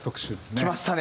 きましたね。